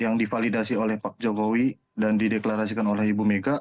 yang divalidasi oleh pak jokowi dan dideklarasikan oleh ibu mega